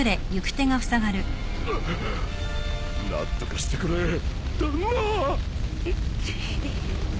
何とかしてくれ旦那。